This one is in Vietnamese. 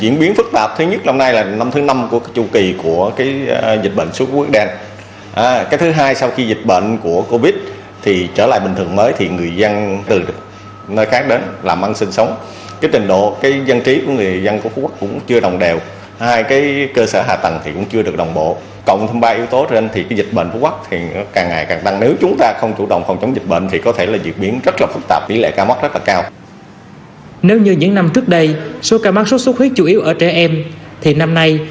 nếu như những năm trước đây số ca mắc sốt sốt huyết chủ yếu ở trẻ em thì năm nay